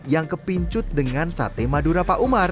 yang kepincut dengan sate madura pak umar